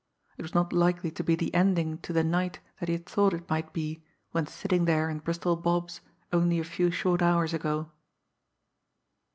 It was not likely to be the ending to the night that he had thought it might be when sitting there in Bristol Bob's only a few short hours ago!